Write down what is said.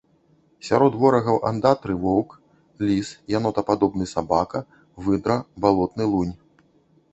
Сярод ворагаў андатры воўк, ліс, янотападобны сабака, выдра, балотны лунь.